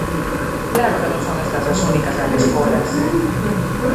Claro que non son estas as únicas Galescolas.